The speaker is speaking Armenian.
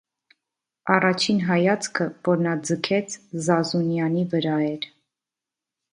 Առաջին հայացքը, որ նա ձգեց, Զազունյանի վրա էր: